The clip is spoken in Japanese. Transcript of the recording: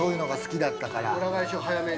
裏返しを早めに？